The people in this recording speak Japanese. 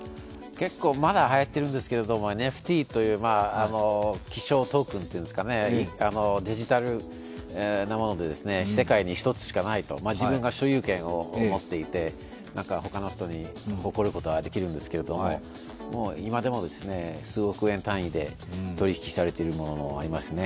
まだはやっているんですけど、ＮＦＴという希少トークンというんですかね、デジタルなもので世界に一つしかないと、自分が所有権を持っていて、他の人に送ることができるんですけど今でも数億円単位で取り引きされているものがありますね。